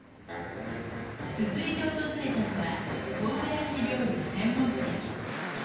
続いて訪れたのはとうがらし料理専門店。